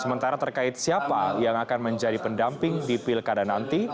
sementara terkait siapa yang akan menjadi pendamping di pilkada nanti